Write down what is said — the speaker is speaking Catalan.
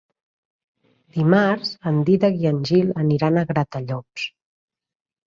Dimarts en Dídac i en Gil aniran a Gratallops.